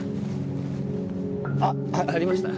あっありました。